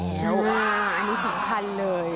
อันนี้สำคัญเลย